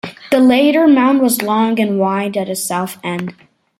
The later mound was long and wide at the south end.